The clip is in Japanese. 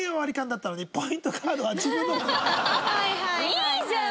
いいじゃん！